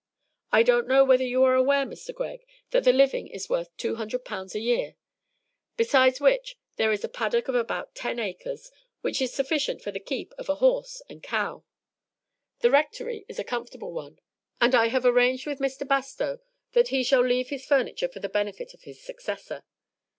I don't know whether you are aware, Mr. Greg, that the living is worth 200 pounds a year, besides which there is a paddock of about ten acres, which is sufficient for the keep of a horse and cow. The Rectory is a comfortable one, and I have arranged with Mr. Bastow that he shall leave his furniture for the benefit of his successor.